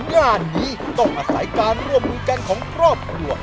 งานนี้ต้องอาศัยการร่วมมือกันของครอบครัว